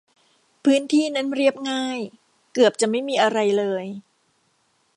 พื้นที่นั้นเรียบง่าย เกือบจะไม่มีอะไรเลย